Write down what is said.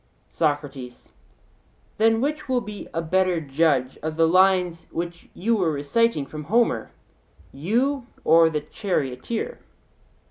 SOCRATES: Then which will be a better judge of the lines which you were reciting from Homer, you or the charioteer?